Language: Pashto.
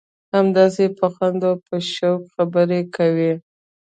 همداسې په خوند او په شوق خبرې کوي.